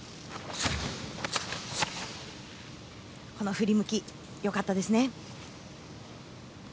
振り向き、良かったですね。